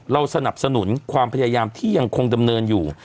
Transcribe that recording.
เราสนับสนุนความพยายามที่ยังคงดำเนินอยู่